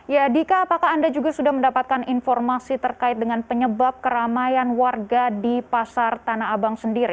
ya dika apakah anda juga sudah mendapatkan informasi terkait dengan penyebab keramaian warga di pasar tanah abang sendiri